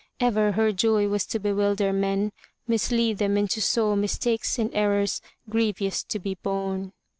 Ever her joy was to bewilder men, mislead them into sore mistakes and errors grievous to be borne.